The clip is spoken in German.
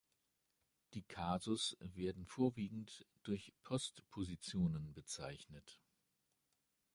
Die Kasus werden vorwiegend durch Postpositionen bezeichnet.